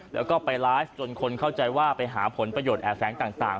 แล้วก็ไปไลฟ์จนคนเข้าใจว่าไปหาผลประโยชนแอบแฝงต่าง